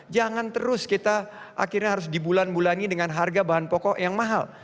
jangan terus kita akhirnya harus dibulan bulani dengan harga bahan pokok yang mahal